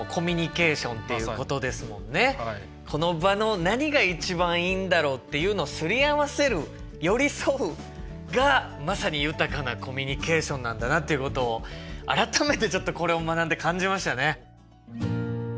この場の何が一番いいんだろうっていうのをすり合わせる寄り添うがまさに豊かなコミュニケーションなんだなっていうことを改めてちょっとこれを学んで感じましたね。